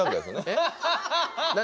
えっ？